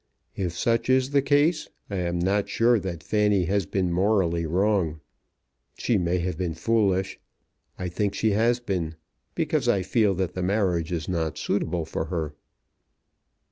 If such is the case I am not sure that Fanny has been morally wrong. She may have been foolish. I think she has been, because I feel that the marriage is not suitable for her."